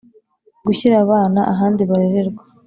gushyira abana ahandi barererwa